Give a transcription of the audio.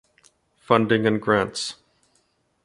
Funding & Grants